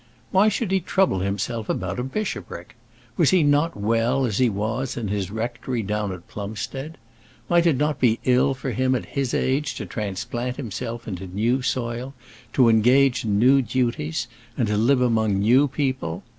Why should he trouble himself about a bishopric? Was he not well as he was, in his rectory down at Plumstead? Might it not be ill for him at his age to transplant himself into new soil, to engage in new duties, and live among new people?